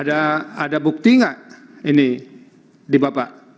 ada bukti nggak ini di bapak